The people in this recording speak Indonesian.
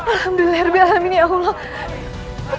alhamdulillah ya allah putraku kian santang